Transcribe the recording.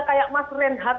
kayak mas renhardt